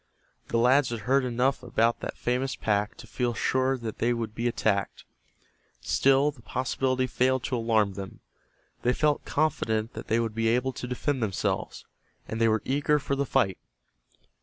The lads had heard enough about that famous pack to feel sure that they would be attacked. Still the possibility failed to alarm them. They felt confident that they would be able to defend themselves, and they were eager for the fight.